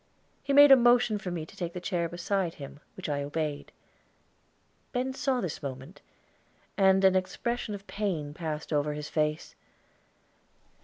He made a motion for me to take the chair beside him, which I obeyed. Ben saw this movement, and an expression of pain passed over his face.